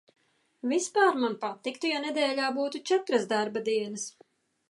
Vispār man patiktu, ja nedēļā būtu četras darba dienas.